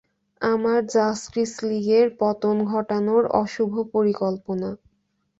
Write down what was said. আমার জাস্টিস লীগের পতন ঘটানোর অশুভ পরিকল্পনা।